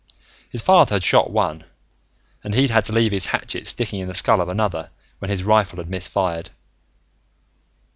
His father had shot one, and he'd had to leave his hatchet sticking in the skull of another, when his rifle had misfired.